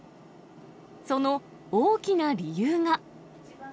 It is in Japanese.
その大きな理由が。